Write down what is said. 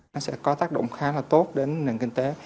nó sẽ có tác động khá là tốt đến nền kinh tế